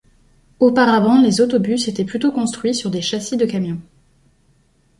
Auparavant les autobus étaient plutôt construit sur des châssis de camion.